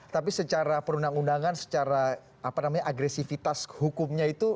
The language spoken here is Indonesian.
tapi secara perundang undangan secara agresivitas hukumnya itu